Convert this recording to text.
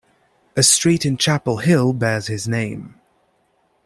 A street in Chapel Hill bears his name.